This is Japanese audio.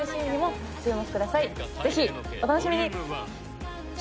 ぜひお楽しみに！